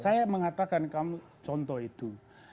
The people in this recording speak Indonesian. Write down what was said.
saya mengatakan kamu contoh itu